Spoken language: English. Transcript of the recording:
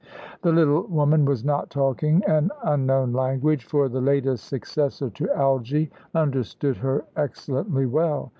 The little woman was not talking an unknown language, for the latest successor to Algy understood her excellently well.